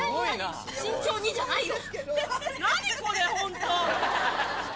慎重にじゃないよ！